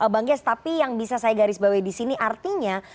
bang gies tapi yang bisa saya garis bawah disini artinya